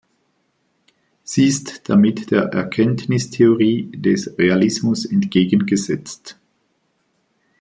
Sie ist damit der Erkenntnistheorie des Realismus entgegengesetzt.